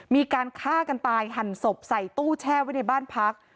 มีการฆ่ากันตายหั่นศพใส่ตู้แช่ไว้ในบ้านพัก